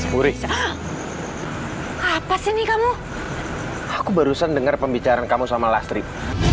murid apa sih ini kamu aku barusan dengar pembicaraan kamu sama lastrip